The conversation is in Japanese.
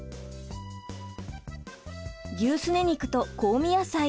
牛すね肉と香味野菜